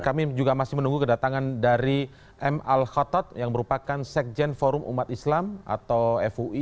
kami juga masih menunggu kedatangan dari m al khotot yang merupakan sekjen forum umat islam atau fui